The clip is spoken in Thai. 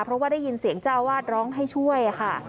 เพราะว่าได้ยินเสียงเจ้าวาดร้องให้ช่วยค่ะ